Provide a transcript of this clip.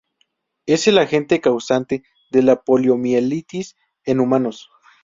Es el agente causante de la poliomielitis en humanos.